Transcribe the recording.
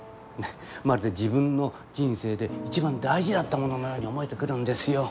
まるで自分の人生で一番大事だったもののように思えてくるんですよ。